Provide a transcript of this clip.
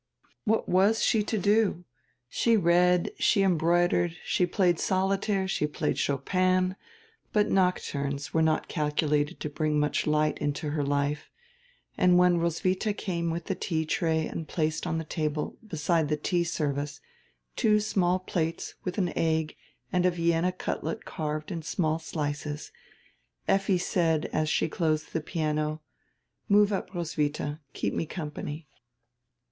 What was she to do! She read, she embroidered, she played solitaire, she played Chopin, but nocturnes were not calculated to bring much light into her life, and when Roswitha came with the tea tray and placed on die table, beside the tea service, two small plates with an egg and a Vienna cutlet carved in small slices, Effi said, as she closed die piano: "Move up, Roswitha. Keep me company."